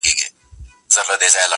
چي د ژوند پیکه رنګونه زرغونه سي,